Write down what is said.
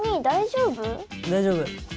大丈夫。